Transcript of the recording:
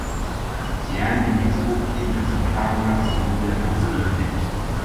Yani mikuki na mapanga pamoja na upinde